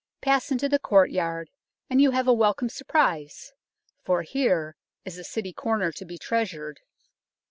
Pass into the courtyard, and you have a welcome surprise, for here is a City corner to be treasured.